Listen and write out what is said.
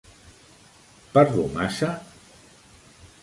Parlo massa?